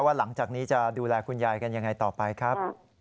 หลังจากนี้จะดูแลคุณยายกันยังไงต่อไปครับ